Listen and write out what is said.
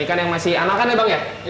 ikan yang masih anakannya bang ya